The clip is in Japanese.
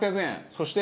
そして。